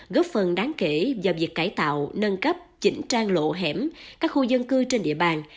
góp phần đáng kể do việc cải tạo nâng cấp chỉnh trang lộ hẻm các khu dân cư trên địa bàn